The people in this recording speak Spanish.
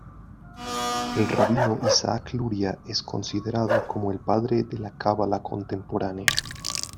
El Rabino Isaac Luria es considerado como el padre de la Cábala contemporánea.